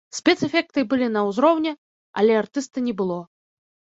Спецэфекты былі на ўзроўні, але артыста не было.